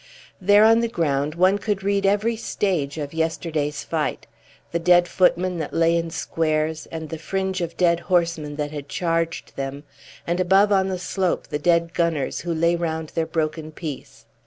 There on the ground one could read every stage of yesterday's fight the dead footmen that lay in squares and the fringe of dead horsemen that had charged them, and above on the slope the dead gunners, who lay round their broken piece.